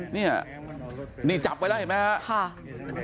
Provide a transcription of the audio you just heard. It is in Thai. นี่จับไปแล้วเห็นไหมฮะ